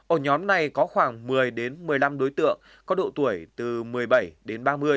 ổ nhóm này có khoảng một mươi đến một mươi năm đối tượng có độ tuổi từ một mươi bảy đến ba mươi